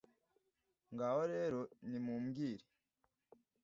Ngaho rero nimumbwire